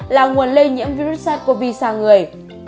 là nguồn lây nhiễm virus sars cov sang người